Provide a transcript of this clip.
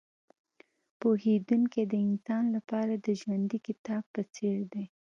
پوهېدونکی د انسان لپاره د ژوندي کتاب په څېر دی.